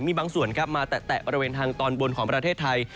มีบางส่วนครับมาแตะบริเวณทางตอนบนของประเทศไทย